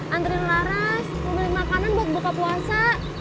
anterin laras mau beli makanan buat buka puasa